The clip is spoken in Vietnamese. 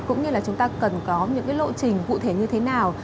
cũng như là chúng ta cần có những cái lộ trình cụ thể như thế nào